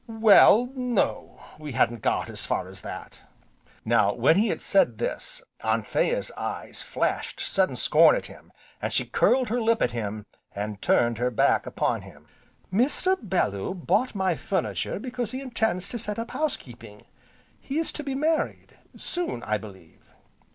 "Well, no, we hadn't got as far as that." Now when he said this, Anthea's eyes flashed sudden scorn at him, and she curled her lip at him, and turned her back upon him: "Mr. Bellew bought my furniture because he intends to set up house keeping he is to be married soon, I believe."